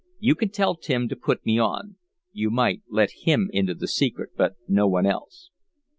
You can tell Tim to put me on. You might let him into the secret, but no one else."